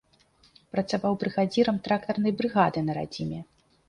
Працаваў брыгадзірам трактарнай брыгады на радзіме.